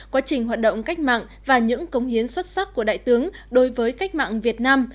quá trình hoạt động cách mạng và những cống hiến xuất sắc của đại tướng đối với cách mạng việt nam